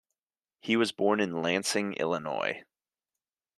He was born in Lansing, Illinois.